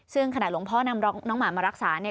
ซึ่งขณะหลวงพ่อนำน้องหมามารักษาเนี่ย